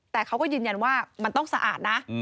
แต่เขาก็ยืนยันว่ามันต้องสะอาดนะ